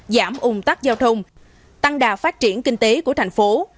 giảm ung tắc giao thông tăng đà phát triển kinh tế của thành phố